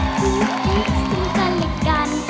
ทุกสิ่งกันด้วยกัน